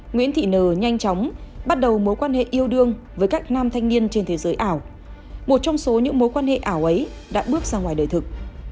nguyễn thị nờ nhanh chóng bắt đầu mối quan hệ yêu đương với các nam thanh niên trên thế giới ảo một trong số những mối quan hệ ảo ấy đã bước sang ngoài đời thực